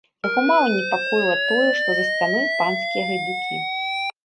Яго мала непакоіла тое, што за сцяной панскія гайдукі.